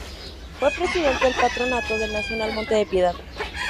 Fue presidente del Patronato del Nacional Monte de Piedad.